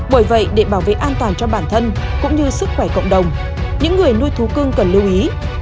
bởi vậy để bảo vệ an toàn cho bản thân cũng như sức khỏe cộng đồng những người nuôi thú cưng cần lưu ý